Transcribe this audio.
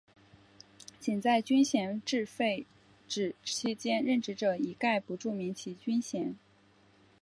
仅在军衔制废止期间任职者一概不注明其军衔。